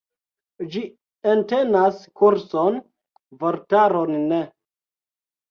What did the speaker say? Ĝi entenas kurson, vortaron ne.